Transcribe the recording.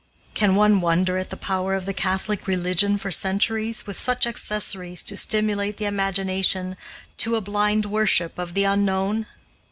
Can one wonder at the power of the Catholic religion for centuries, with such accessories to stimulate the imagination to a blind worship of the unknown?